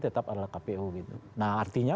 tetap adalah kpu gitu nah artinya